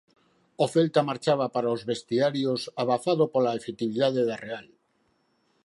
O Celta marchaba para os vestiarios abafado pola efectividade da Real.